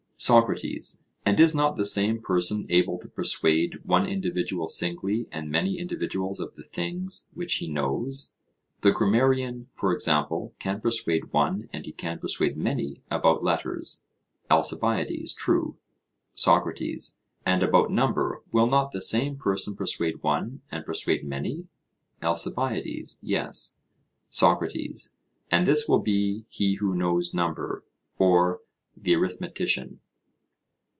SOCRATES: And is not the same person able to persuade one individual singly and many individuals of the things which he knows? The grammarian, for example, can persuade one and he can persuade many about letters. ALCIBIADES: True. SOCRATES: And about number, will not the same person persuade one and persuade many? ALCIBIADES: Yes. SOCRATES: And this will be he who knows number, or the arithmetician?